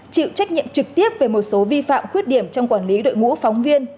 chịu trách nhiệm trực tiếp về một số vi phạm khuyết điểm trong quản lý đội ngũ phóng viên